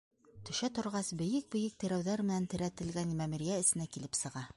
Төшә торғас, бейек-бейек терәүҙәр менән терәтелгән мәмерйә эсенә килеп сыға.